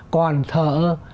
còn thờ ơ